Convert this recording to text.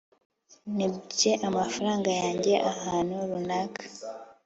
nibye amafaranga yanjye ahantu runaka